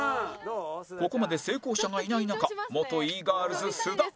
ここまで成功者がいない中元 Ｅ−ｇｉｒｌｓ 須田